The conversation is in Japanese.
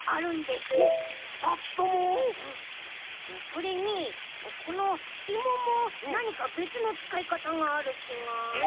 それにこのひももなにかべつのつかいかたがあるきが。え？